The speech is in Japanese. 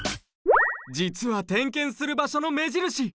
じつは点検する場所の目印。